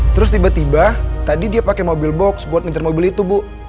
terus tiba tiba tadi dia pakai mobil box buat ngejar mobil itu bu